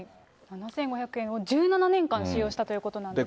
７５００円を１７年間使用したということなんですね。